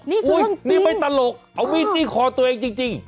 นี่ไม่ตลกเอาวีดจี้คอตัวเองจริง